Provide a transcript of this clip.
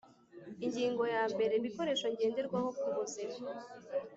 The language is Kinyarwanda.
Ingingo ya mbere Ibikoresho ngenderwaho kubuzima